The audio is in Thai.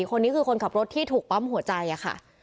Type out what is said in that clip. คนนี้คือคนขับรถที่ถูกปั๊มหัวใจค่ะ